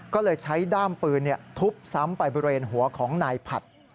ก็เลยใช้ด้ามปืนทุบซ้ำไปบริเวณหัวของนายผัด